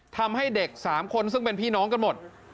ทำให้เด็ก๓คนซึ่งเป็นพี่น้องกันหมด